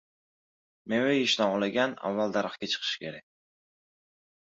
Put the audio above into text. • Meva yeyishni xohlagan avval daraxtga chiqishi kerak.